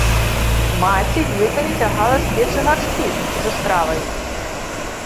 Маці вілкамі цягала з печы гаршкі з страваю.